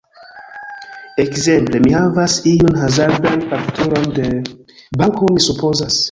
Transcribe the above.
Ekzemple: mi havas iun hazardan fakturon de... banko mi supozas.